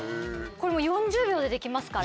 これ４０秒でできますから。